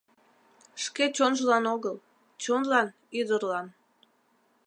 Шке чонжылан огыл Чонлан-ӱдырлан.